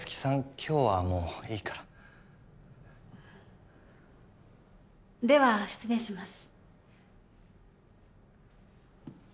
今日はもういいからでは失礼します